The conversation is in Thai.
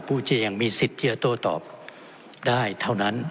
ผู้จะยังมีสิทธิ์เชื่อโตตอบได้เท่านั้น